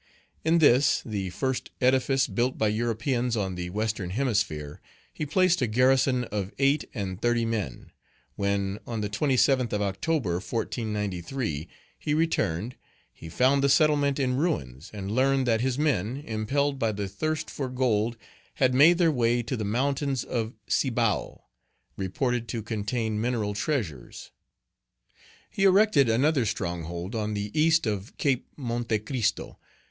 In this, the first edifice built by Europeans on the Western Hemisphere, he placed a garrison of eight and thirty men. When (on the 27th of October, 1493) he returned, he found the settlement in ruins, and learned that his men, impelled by the thirst for gold, had made their way to the mountains of Cibao, reported to contain mineral treasures. He erected another stronghold on the east of Cape Monte Christo.